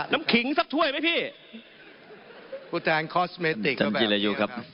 น้ำขิงสับถ้วยไหมพี่ผู้แทนคอสเมติกก็แบบนี้ครับ